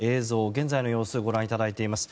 現在の様子をご覧いただいています。